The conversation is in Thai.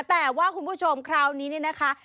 แต่ว่าคุณผู้ชมคราวนี้เนี่ยนะคะ